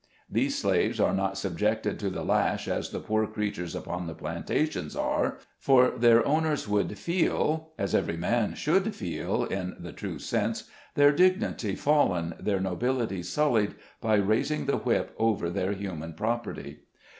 These slaves are not subjected to the lash as the poor creatures upon the plantations are, for their owners would feel (as every man should feel, in the true 192 SKETCHES OF SLAVE LIFE. sense) their dignity fallen, their nobility sullied, by raising the whip over their human property.